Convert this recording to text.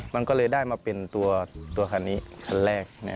มันก็เลยได้มาเป็นตัวคันนี้คันแรก